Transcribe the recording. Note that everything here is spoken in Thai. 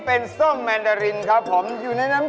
เพื่อก็ไม่รู้ของนะบอลเหรอคะ